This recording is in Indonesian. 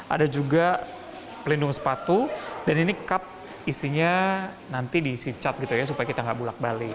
ada juga pelindung sepatu dan ini cup isinya nanti diisi cat supaya kita tidak bulat balik